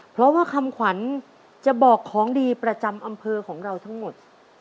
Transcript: เพราะว่าคำขวัญจะบอกของดีประจำอำเภอของเราทั้งหมด